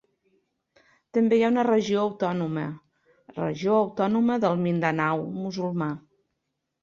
També hi ha una regió autònoma: Regió Autònoma del Mindanao Musulmà.